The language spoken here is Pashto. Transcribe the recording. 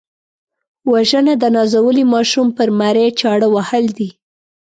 وژنه د نازولي ماشوم پر مرۍ چاړه وهل دي